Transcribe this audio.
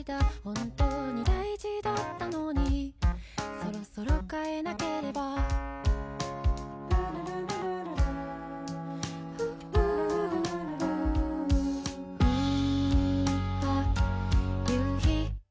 本当に大事だったのにそろそろ変えなければあ、夕陽。